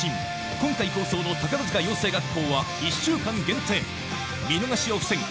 今回放送の宝塚養成学校は１週間限定見逃しを防ぐ